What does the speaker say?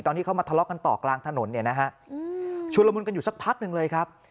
ที่เขามาทะเลาะกันต่อกลางถนนเนี่ยนะฮะชุดละมุนกันอยู่สักพักหนึ่งเลยครับ